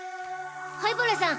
灰原さん